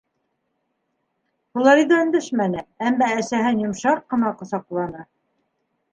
Флорида өндәшмәне, әммә әсәһен йомшаҡ ҡына ҡосаҡланы.